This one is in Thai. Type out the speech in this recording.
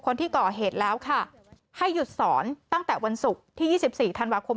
คนที่ก่อเหตุแล้วค่ะให้หยุดสอนตั้งแต่วันศุกร์ที่๒๔ธันวาคม